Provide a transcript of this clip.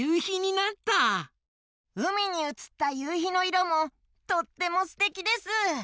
うみにうつったゆうひのいろもとってもすてきです！